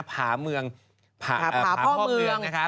ผ่าเมืองผ่าพ่อเมืองนะฮะ